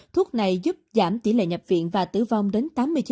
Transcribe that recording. thuốc này giúp giảm tỷ lệ nhập viện và tử vong đến tám mươi chín